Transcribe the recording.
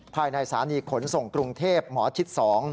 ภายในสถานีขนส่งกรุงเทพหมอชิด๒